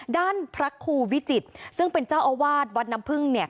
ด้านพระครูวิจิตรซึ่งเป็นเจ้าอาวาสวัดน้ำพึ่งเนี่ย